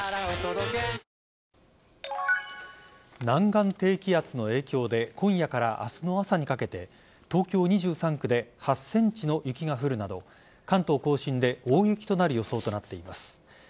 南岸低気圧の影響で今夜から明日の朝にかけて東京２３区で８ｃｍの雪が降るなど関東甲信で大雪となる予想となっています。